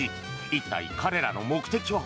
一体彼らの目的は。